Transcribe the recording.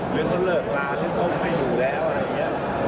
หรือเขาเลิกลาหรือเขาไม่อยู่แล้วอะไรอย่างนี้